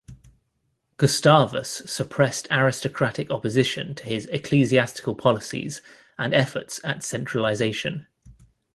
Gustavus suppressed aristocratic opposition to his ecclesiastical policies and efforts at centralisation.